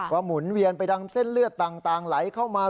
หมุนเวียนไปดังเส้นเลือดต่างไหลเข้ามา